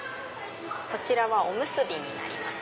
こちらはおむすびになります。